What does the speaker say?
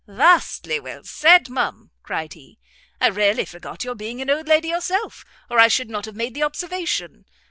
"Vastly well said, ma'am," cried he; "I really forgot your being an old lady yourself, or I should not have made the observation.